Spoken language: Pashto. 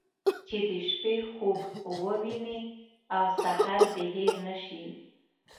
چې د شپې خوب ووينې او سهار دې هېر نه شي.